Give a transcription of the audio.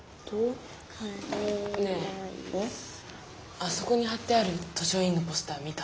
あそこにはってある図書委員のポスター見た？